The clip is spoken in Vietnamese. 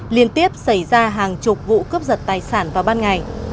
liên tiếp xảy ra hàng chục vụ cướp giật tài sản vào ban ngày